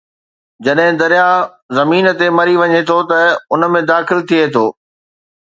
جڏهن درياهه زمين تي مري وڃي ٿو ته ان ۾ داخل ٿئي ٿو